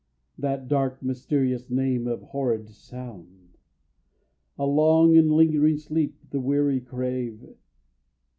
That dark, mysterious name of horrid sound? A long and lingering sleep, the weary crave.